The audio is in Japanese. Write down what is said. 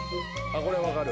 これわかる？